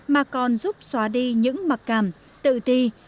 mà còn giúp xóa đi những mặc cảm tự ti